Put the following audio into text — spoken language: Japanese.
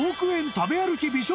食べ歩き美食